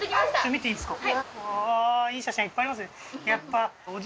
見ていいですか？